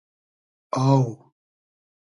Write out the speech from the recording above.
آو